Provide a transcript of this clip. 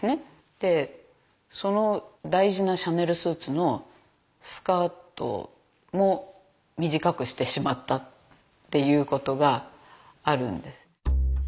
でその大事なシャネルスーツのスカートも短くしてしまったっていうことがあるんです。